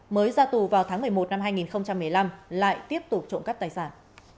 mới ra tù vào tháng một mươi một năm hai nghìn một mươi năm lại tiếp tục trộm cắp tài sản